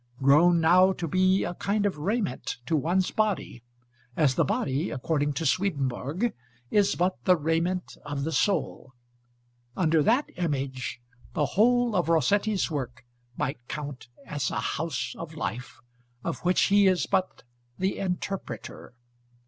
grown now to be a kind of raiment to one's body, as the body, according to Swedenborg, is but the raiment of the soul under that image, the whole of Rossetti's work might count as a House of Life, of which he is but the "Interpreter."